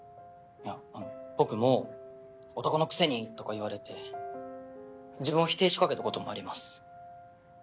いやあの僕も「男のくせに」とか言われて自分を否定しかけたこともあります。